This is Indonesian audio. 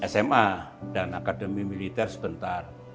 sma dan akademi militer sebentar